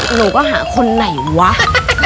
หนูก็หาคนไหนวะ